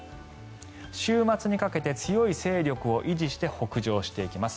週末にかけて強い勢力を維持して北上していきます。